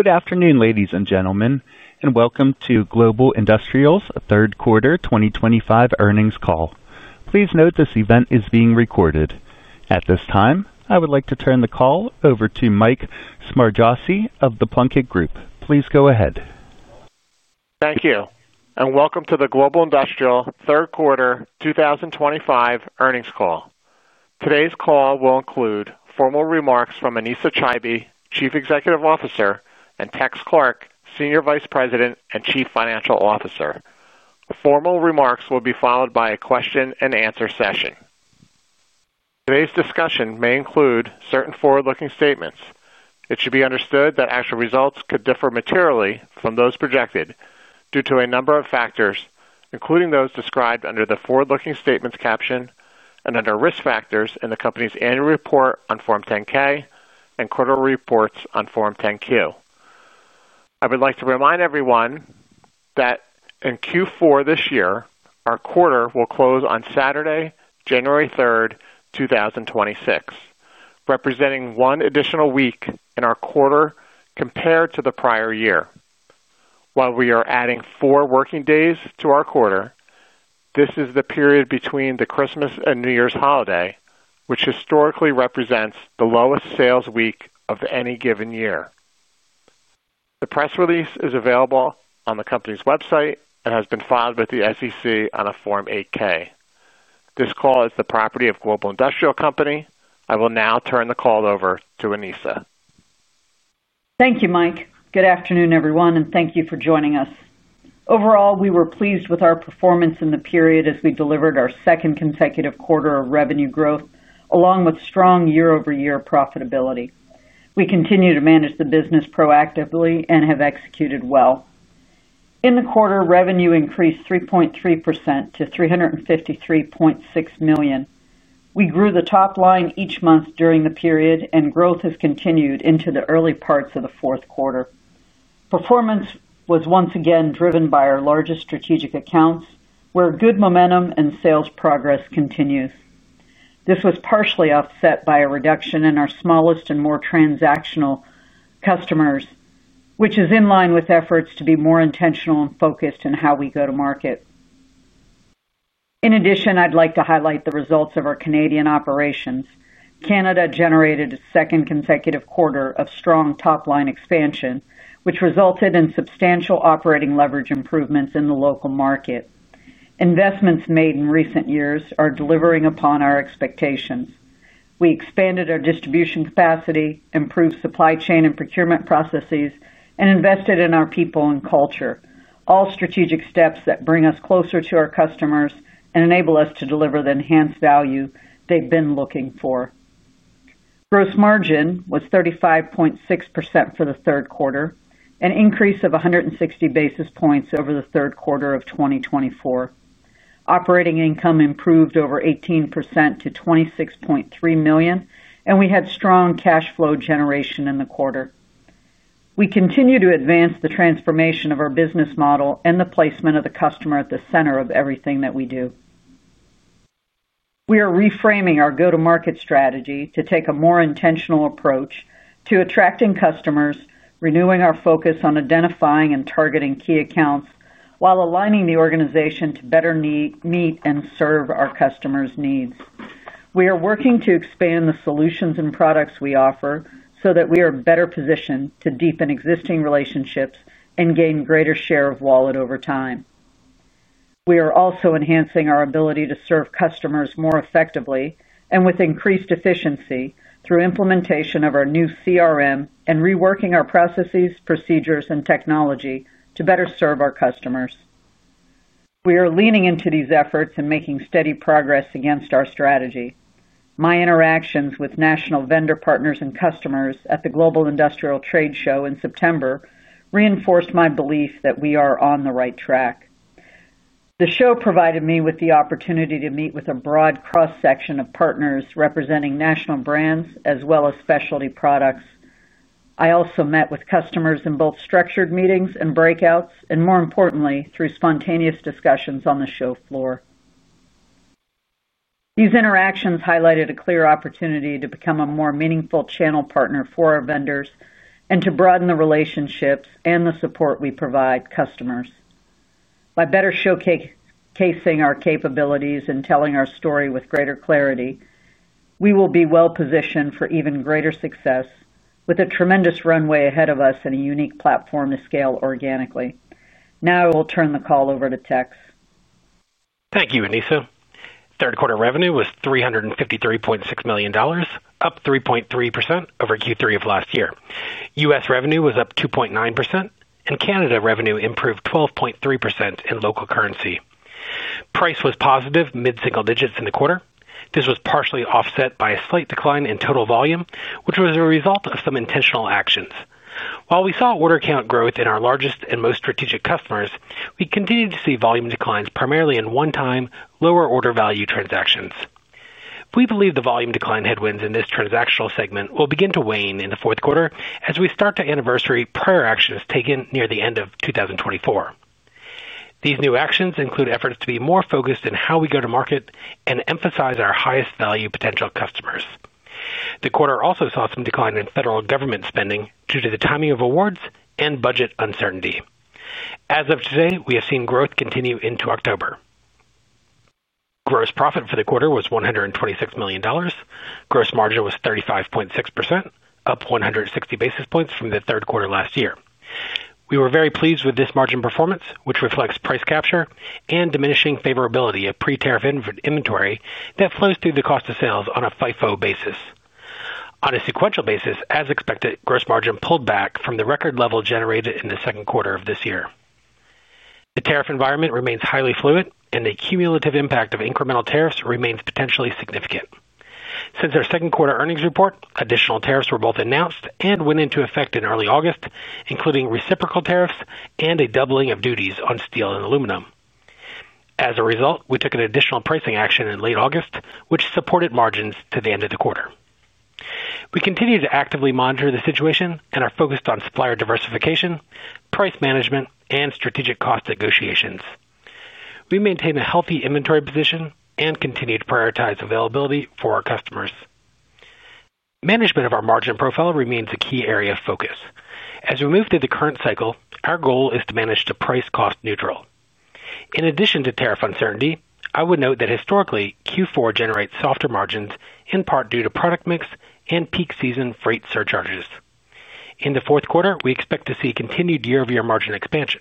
Good afternoon, ladies and gentlemen, and welcome to Global Industrial's third quarter 2025 earnings call. Please note this event is being recorded. At this time, I would like to turn the call over to Mike Smargiassi of The Plunkett Group. Please go ahead. Thank you, and welcome to the Global Industrial's third quarter 2025 earnings call. Today's call will include formal remarks from Anesa Chaibi, Chief Executive Officer, and Tex Clark, Senior Vice President and Chief Financial Officer. Formal remarks will be followed by a question and answer session. Today's discussion may include certain forward-looking statements. It should be understood that actual results could differ materially from those projected due to a number of factors, including those described under the forward-looking statements caption and under risk factors in the company's annual report on Form 10-K and quarterly reports on Form 10-Q. I would like to remind everyone that in Q4 this year, our quarter will close on Saturday, January 3rd, 2026, representing one additional week in our quarter compared to the prior year. While we are adding four working days to our quarter, this is the period between the Christmas and New Year's holiday, which historically represents the lowest sales week of any given year. The press release is available on the company's website and has been filed with the SEC on a Form 8-K. This call is the property of Global Industrial Company. I will now turn the call over to Anesa. Thank you, Mike. Good afternoon, everyone, and thank you for joining us. Overall, we were pleased with our performance in the period as we delivered our second consecutive quarter of revenue growth, along with strong year-over-year profitability. We continue to manage the business proactively and have executed well. In the quarter, revenue increased 3.3% to $353.6 million. We grew the top line each month during the period, and growth has continued into the early parts of the fourth quarter. Performance was once again driven by our largest strategic accounts, where good momentum and sales progress continues. This was partially offset by a reduction in our smallest and more transactional customers, which is in line with efforts to be more intentional and focused in how we go to market. In addition, I'd like to highlight the results of our Canadian operations. Canada generated a second consecutive quarter of strong top-line expansion, which resulted in substantial operating leverage improvements in the local market. Investments made in recent years are delivering upon our expectations. We expanded our distribution capacity, improved supply chain and procurement processes, and invested in our people and culture, all strategic steps that bring us closer to our customers and enable us to deliver the enhanced value they've been looking for. Gross margin was 35.6% for the third quarter, an increase of 160 basis points over the third quarter of 2024. Operating income improved over 18% to $26.3 million, and we had strong cash flow generation in the quarter. We continue to advance the transformation of our business model and the placement of the customer at the center of everything that we do. We are reframing our go-to-market strategy to take a more intentional approach to attracting customers, renewing our focus on identifying and targeting key accounts while aligning the organization to better meet and serve our customers' needs. We are working to expand the solutions and products we offer so that we are better positioned to deepen existing relationships and gain greater share of wallet over time. We are also enhancing our ability to serve customers more effectively and with increased efficiency through implementation of our new CRM and reworking our processes, procedures, and technology to better serve our customers. We are leaning into these efforts and making steady progress against our strategy. My interactions with national vendor partners and customers at the Global Industrial Trade Show in September reinforced my belief that we are on the right track. The show provided me with the opportunity to meet with a broad cross-section of partners representing national brands as well as specialty products. I also met with customers in both structured meetings and breakouts, and more importantly, through spontaneous discussions on the show floor. These interactions highlighted a clear opportunity to become a more meaningful channel partner for our vendors and to broaden the relationships and the support we provide customers. By better showcasing our capabilities and telling our story with greater clarity, we will be well positioned for even greater success, with a tremendous runway ahead of us and a unique platform to scale organically. Now, I will turn the call over to Tex. Thank you, Anesa. Third quarter revenue was $353.6 million, up 3.3% over Q3 of last year. U.S. revenue was up 2.9%, and Canada revenue improved 12.3% in local currency. Price was positive mid-single digits in the quarter. This was partially offset by a slight decline in total volume, which was a result of some intentional actions. While we saw order count growth in our largest and most strategic customers, we continue to see volume declines primarily in one-time, lower order value transactions. We believe the volume decline headwinds in this transactional segment will begin to wane in the fourth quarter as we start to anniversary prior actions taken near the end of 2024. These new actions include efforts to be more focused in how we go to market and emphasize our highest value potential customers. The quarter also saw some decline in federal government spending due to the timing of awards and budget uncertainty. As of today, we have seen growth continue into October. Gross profit for the quarter was $126 million. Gross margin was 35.6%, up 160 basis points from the third quarter last year. We were very pleased with this margin performance, which reflects price capture and diminishing favorability of pre-tariff inventory that flows through the cost of sales on a FIFO basis. On a sequential basis, as expected, gross margin pulled back from the record level generated in the second quarter of this year. The tariff environment remains highly fluid, and the cumulative impact of incremental tariffs remains potentially significant. Since our second quarter earnings report, additional tariffs were both announced and went into effect in early August, including reciprocal tariffs and a doubling of duties on steel and aluminum. As a result, we took an additional pricing action in late August, which supported margins to the end of the quarter. We continue to actively monitor the situation and are focused on supplier diversification, price management, and strategic cost negotiations. We maintain a healthy inventory position and continue to prioritize availability for our customers. Management of our margin profile remains a key area of focus. As we move through the current cycle, our goal is to manage the price cost neutral. In addition to tariff uncertainty, I would note that historically, Q4 generates softer margins in part due to product mix and peak season freight surcharges. In the fourth quarter, we expect to see continued year-over-year margin expansion.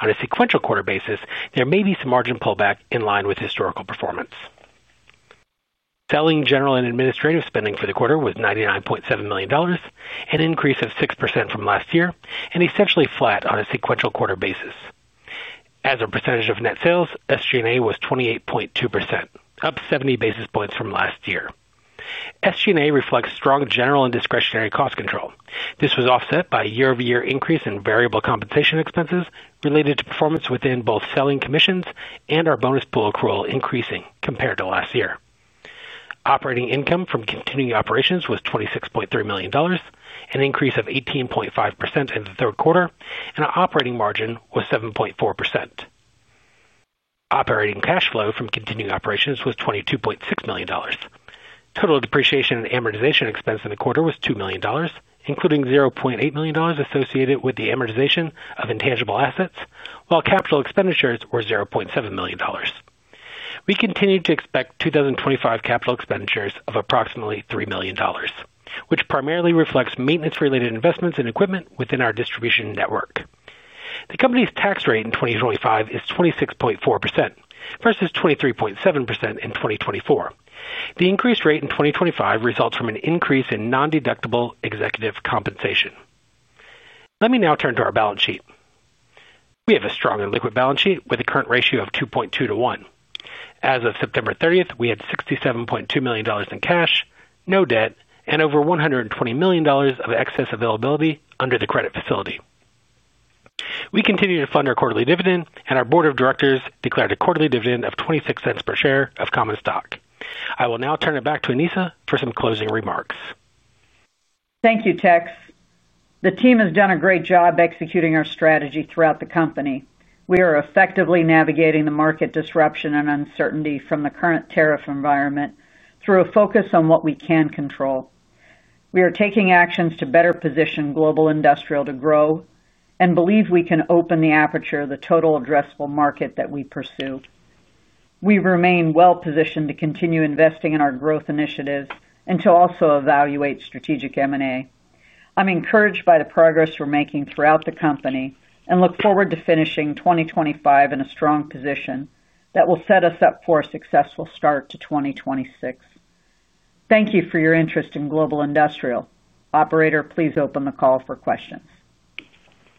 On a sequential quarter basis, there may be some margin pullback in line with historical performance. Selling, general, and administrative spending for the quarter was $99.7 million, an increase of 6% from last year, and essentially flat on a sequential quarter basis. As a percentage of net sales, SG&A was 28.2%, up 70 basis points from last year. SG&A reflects strong general and discretionary cost control. This was offset by a year-over-year increase in variable compensation expenses related to performance within both selling commissions and our bonus pool accrual increasing compared to last year. Operating income from continuing operations was $26.3 million, an increase of 18.5% in the third quarter, and our operating margin was 7.4%. Operating cash flow from continuing operations was $22.6 million. Total depreciation and amortization expense in the quarter was $2 million, including $0.8 million associated with the amortization of intangible assets, while capital expenditures were $0.7 million. We continue to expect 2025 capital expenditures of approximately $3 million, which primarily reflects maintenance-related investments in equipment within our distribution network. The company's tax rate in 2025 is 26.4% versus 23.7% in 2024. The increased rate in 2025 results from an increase in non-deductible executive compensation. Let me now turn to our balance sheet. We have a strong and liquid balance sheet with a current ratio of 2.2 to 1. As of September 30th, we had $67.2 million in cash, no debt, and over $120 million of excess availability under the credit facility. We continue to fund our quarterly dividend, and our board of directors declared a quarterly dividend of $0.26 per share of common stock. I will now turn it back to Anesa for some closing remarks. Thank you, Tex. The team has done a great job executing our strategy throughout the company. We are effectively navigating the market disruption and uncertainty from the current tariff environment through a focus on what we can control. We are taking actions to better position Global Industrial to grow and believe we can open the aperture of the total addressable market that we pursue. We remain well positioned to continue investing in our growth initiatives and to also evaluate strategic M&A. I'm encouraged by the progress we're making throughout the company and look forward to finishing 2025 in a strong position that will set us up for a successful start to 2026. Thank you for your interest in Global Industrial. Operator, please open the call for questions.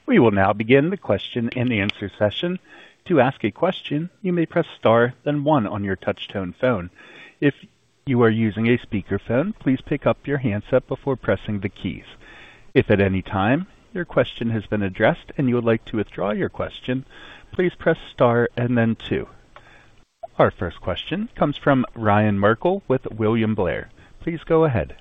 We will now begin the question and answer session. To ask a question, you may press star, then one on your touch-tone phone. If you are using a speaker phone, please pick up your handset before pressing the keys. If at any time your question has been addressed and you would like to withdraw your question, please press star and then two. Our first question comes from Ryan Merkel with William Blair. Please go ahead.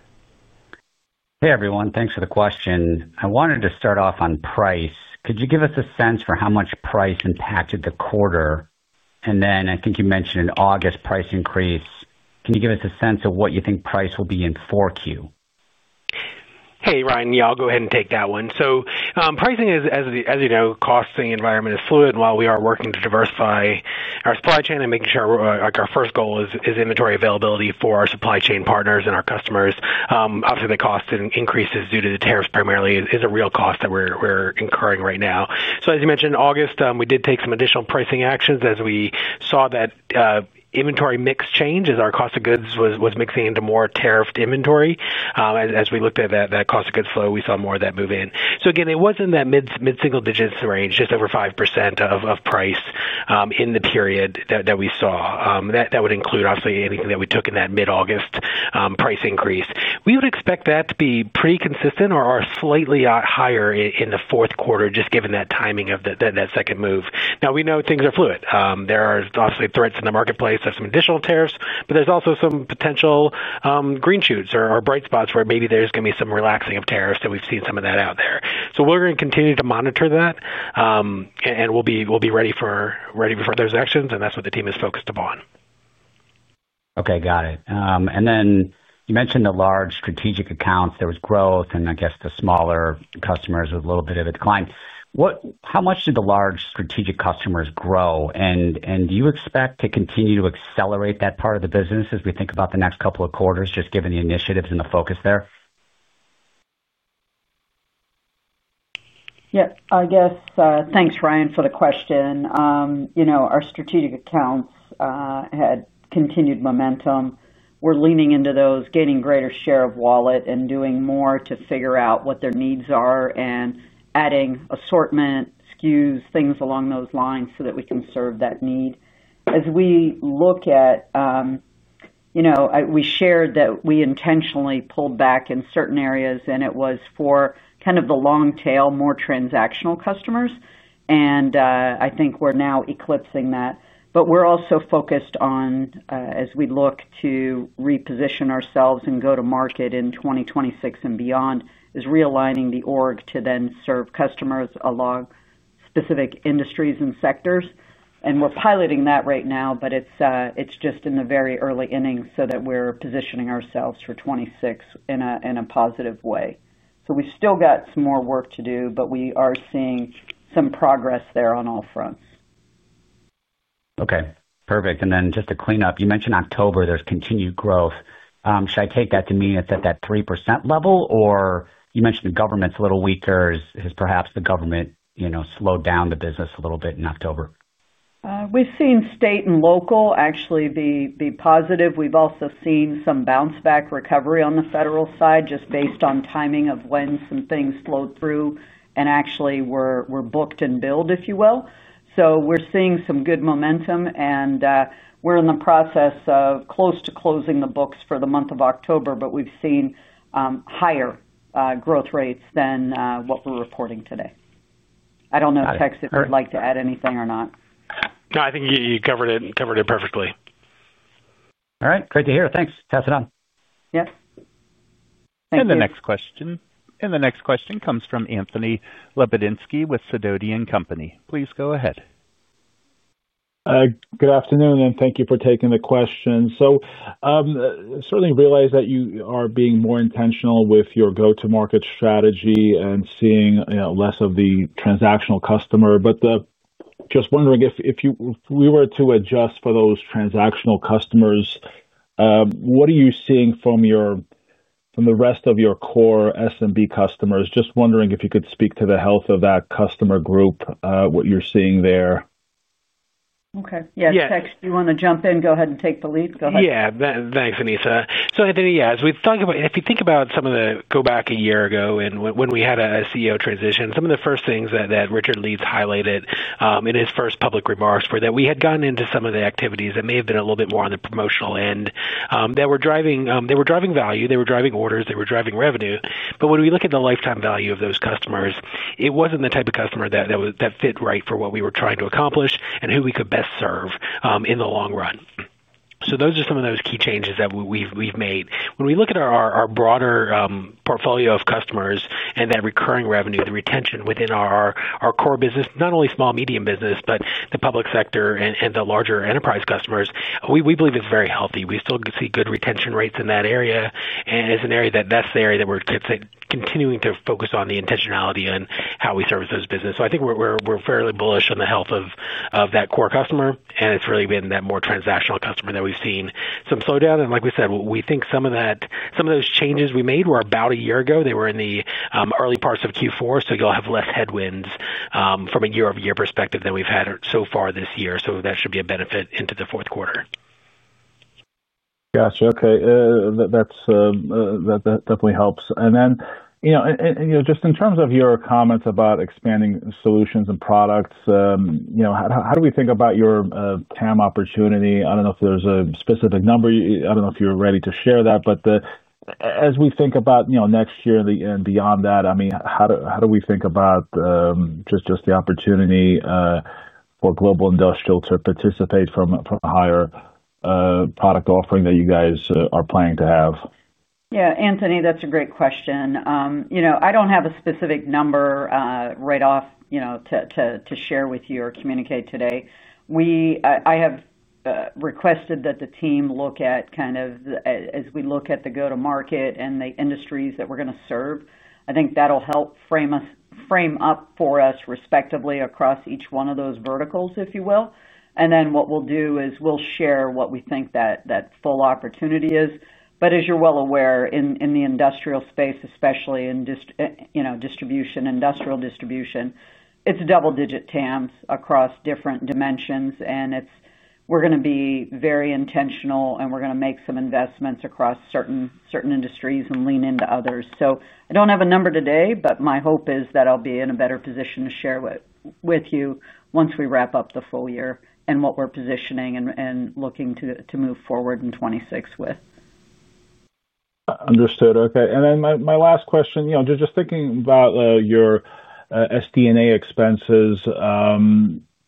Hey everyone, thanks for the question. I wanted to start off on price. Could you give us a sense for how much price impacted the quarter? I think you mentioned an August price increase. Could you give us a sense of what you think price will be in 4Q? Hey Ryan, yeah, I'll go ahead and take that one. Pricing is, as you know, costing the environment is fluid. While we are working to diversify our supply chain and making sure our first goal is inventory availability for our supply chain partners and our customers, obviously the cost increases due to the tariffs primarily is a real cost that we're incurring right now. As you mentioned, in August, we did take some additional pricing actions as we saw that inventory mix change, as our cost of goods was mixing into more tariffed inventory. As we looked at that cost of goods flow, we saw more of that move in. It was in that mid-single digits range, just over 5% of price in the period that we saw. That would include obviously anything that we took in that mid-August price increase. We would expect that to be pretty consistent or slightly higher in the fourth quarter, just given that timing of that second move. We know things are fluid. There are obviously threats in the marketplace. There are some additional tariffs, but there's also some potential green shoots or bright spots where maybe there's going to be some relaxing of tariffs. We've seen some of that out there. We're going to continue to monitor that and we'll be ready for those actions, and that's what the team is focused upon. Okay, got it. You mentioned the large strategic accounts. There was growth, and I guess the smaller customers with a little bit of a decline. How much did the large strategic customers grow? Do you expect to continue to accelerate that part of the business as we think about the next couple of quarters, just given the initiatives and the focus there? Yeah, I guess thanks, Ryan, for the question. You know, our strategic accounts had continued momentum. We're leaning into those, gaining greater share of wallet, and doing more to figure out what their needs are and adding assortment, SKUs, things along those lines so that we can serve that need. As we look at, you know, we shared that we intentionally pulled back in certain areas, and it was for kind of the long tail, more transactional customers. I think we're now eclipsing that. We're also focused on, as we look to reposition ourselves and go to market in 2026 and beyond, realigning the organization to then serve customers along specific industries and sectors. We're piloting that right now, but it's just in the very early innings so that we're positioning ourselves for 2026 in a positive way. We still got some more work to do, but we are seeing some progress there on all fronts. Okay, perfect. Just to clean up, you mentioned October there's continued growth. Should I take that to mean it's at that 3% level, or you mentioned the government's a little weaker? Has perhaps the government slowed down the business a little bit in October? We've seen state and local actually be positive. We've also seen some bounce-back recovery on the federal side just based on timing of when some things slowed through and actually were booked and billed, if you will. We're seeing some good momentum and we're in the process of close to closing the books for the month of October, but we've seen higher growth rates than what we're reporting today. I don't know if Tex would like to add anything or not. No, I think you covered it perfectly. All right, great to hear. Thanks. Pass it on. Yep. The next question comes from Anthony Lebiedzinski with Sidoti & Company. Please go ahead. Good afternoon and thank you for taking the question. I certainly realize that you are being more intentional with your go-to-market strategy and seeing less of the transactional customer. I am just wondering if we were to adjust for those transactional customers, what are you seeing from the rest of your core SMB customers? I am just wondering if you could speak to the health of that customer group, what you're seeing there. Okay. Tex, you want to jump in? Go ahead and take the lead. Go ahead. Yeah, thanks, Anesa. As we talk about, if you think about some of the go back a year ago when we had a CEO transition, some of the first things that Richard Leeds highlighted in his first public remarks were that we had gotten into some of the activities that may have been a little bit more on the promotional end. They were driving value, they were driving orders, they were driving revenue. When we look at the lifetime value of those customers, it wasn't the type of customer that fit right for what we were trying to accomplish and who we could best serve in the long run. Those are some of those key changes that we've made. When we look at our broader portfolio of customers and that recurring revenue, the retention within our core business, not only small and medium business, but the public sector and the larger enterprise customers, we believe it's very healthy. We still see good retention rates in that area. It's an area that we're continuing to focus on the intentionality and how we service those businesses. I think we're fairly bullish on the health of that core customer. It's really been that more transactional customer that we've seen some slowdown. Like we said, we think some of those changes we made were about a year ago. They were in the early parts of Q4. You'll have less headwinds from a year-over-year perspective than we've had so far this year. That should be a benefit into the fourth quarter. Gotcha. Okay. That definitely helps. In terms of your comments about expanding solutions and products, how do we think about your total addressable market opportunity? I don't know if there's a specific number. I don't know if you're ready to share that. As we think about next year and beyond that, how do we think about the opportunity for Global Industrial to participate from a higher product offering that you guys are planning to have? Yeah, Anthony, that's a great question. I don't have a specific number right off to share with you or communicate today. I have requested that the team look at, as we look at the go-to-market and the industries that we're going to serve, I think that'll help frame up for us respectively across each one of those verticals, if you will. What we'll do is we'll share what we think that full opportunity is. As you're well aware, in the industrial space, especially in distribution, industrial distribution, it's double-digit TAMs across different dimensions. We're going to be very intentional and we're going to make some investments across certain industries and lean into others. I don't have a number today, but my hope is that I'll be in a better position to share with you once we wrap up the full year and what we're positioning and looking to move forward in 2026 with. Understood. Okay. My last question, just thinking about your SG&A expenses,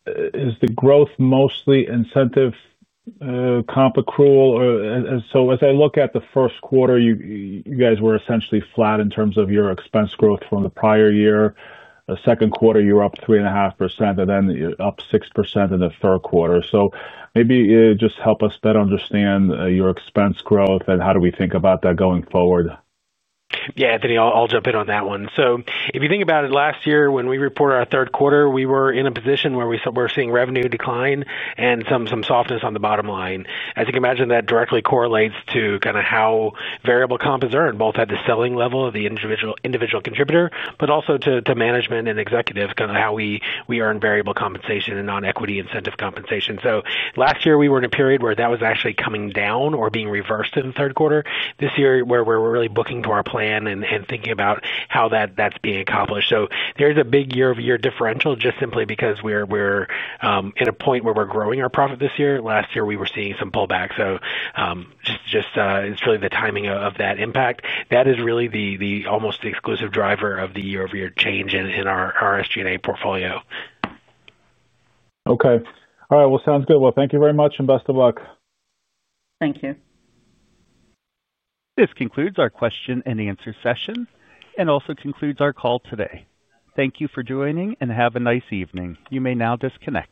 is the growth mostly incentive comp accrual? As I look at the first quarter, you guys were essentially flat in terms of your expense growth from the prior year. The second quarter, you were up 3.5% and then up 6% in the third quarter. Maybe just help us better understand your expense growth and how do we think about that going forward? Yeah, Anthony, I'll jump in on that one. If you think about it, last year when we reported our third quarter, we were in a position where we were seeing revenue decline and some softness on the bottom line. As you can imagine, that directly correlates to how variable comp is earned, both at the selling level of the individual contributor, but also to management and executive, kind of how we earn variable compensation and non-equity incentive compensation. Last year, we were in a period where that was actually coming down or being reversed in the third quarter. This year, we're really booking to our plan and thinking about how that's being accomplished. There is a big year-over-year differential just simply because we're in a point where we're growing our profit this year. Last year, we were seeing some pullback. It's really the timing of that impact. That is really the almost exclusive driver of the year-over-year change in our SG&A portfolio. All right. Sounds good. Thank you very much and best of luck. Thank you. This concludes our question and answer session and also concludes our call today. Thank you for joining and have a nice evening. You may now disconnect.